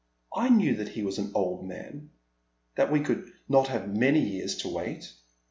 I knew that he was an old man — that we could not have many years to wait."